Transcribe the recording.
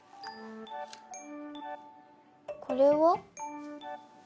これは？